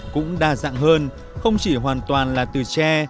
cũng đa dạng hơn không chỉ hoàn toàn là từ tre